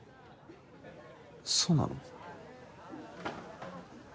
そうなの？